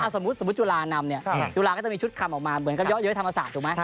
สมมุติจุฬานำจุฬาจะมีชุดคำออกมาเหมือนกับเยอะเยอะธรรมศาสตร์